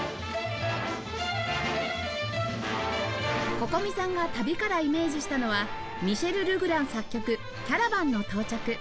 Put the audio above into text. Ｃｏｃｏｍｉ さんが「旅」からイメージしたのはミシェル・ルグラン作曲『キャラバンの到着』